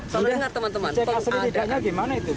kalau dengar teman teman pengadaan